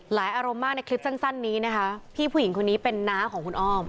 อารมณ์มากในคลิปสั้นนี้นะคะพี่ผู้หญิงคนนี้เป็นน้าของคุณอ้อม